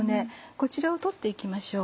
こちらを取って行きましょう。